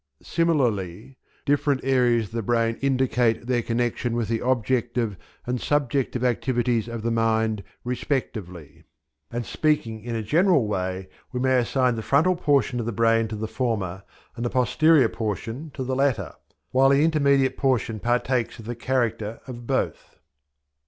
Similarly different areas of the brain indicate, their connection with the objective and subjective activities of the mind respectively, and speaking in a general way we may assign the frontal portion of the brain to the former and the posterior portion to the latter, while the intermediate portion partakes of the character of both.